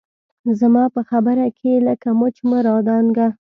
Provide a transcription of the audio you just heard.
زما په خبره کښې لکه مچ مه رادانګه